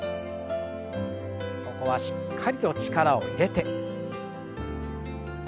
ここはしっかりと力を入れて。